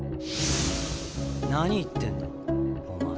何言ってんだお前？